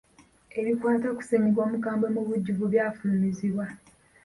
Ebikwata ku ssennyiga omukambwe mu bujjuvu byafulumizibwa.